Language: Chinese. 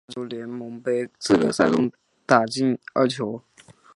他在对阵连菲特的欧洲联盟杯资格赛中打进二球。